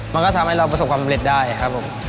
มันก็ทำให้เราประสบความสำเร็จได้ครับผม